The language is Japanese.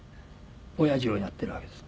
おやじをやっているわけです。